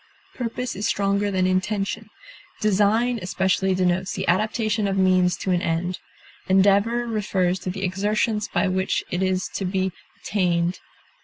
Purpose is stronger than intention. Design especially denotes the adaptation of means to an end; endeavor refers to the exertions by which it is to be attained.